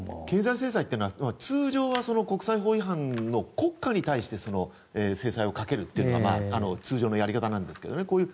経済制裁というのは通常は国際法違反の国家に対して制裁をかけるというのが通常のやり方なんですけどね。